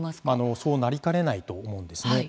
そうなりかねないと思うんですね。